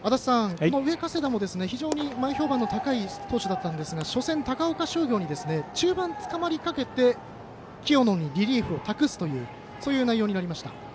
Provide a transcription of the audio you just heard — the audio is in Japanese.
この上加世田も非常に前評判の高い投手ですが初戦、高岡商業に中盤、つかまりかけて清野にリリーフを託すというそういう内容になりました。